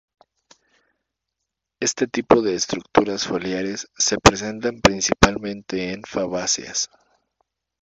Este tipo de estructuras foliares se presentan principalmente en fabáceas.